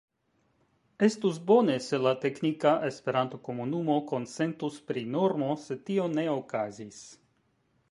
Estus bone, se la teknika Esperanto-komunumo konsentus pri normo, sed tio ne okazis.